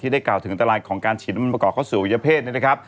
ได้กล่าวถึงอันตรายของการฉีดน้ำมันประกอบเข้าสู่วัยเพศเนี่ยนะครับ